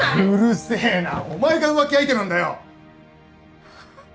うるせえなお前が浮気相手なんだよえっ？